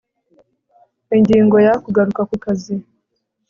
Ingingo ya Kugaruka ku kazi